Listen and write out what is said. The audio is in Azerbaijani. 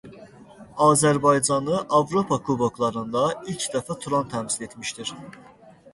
Azərbaycanı Avropa kuboklarında ilk dəfə "Turan" təmsil etmişdir.